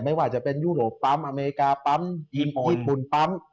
ไม่ว่าจะเป็นยุโรปปั๊มอเมริกาปั๊มยิมญี่ปุ่นปั๊ม